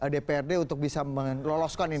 dprd untuk bisa meloloskan ini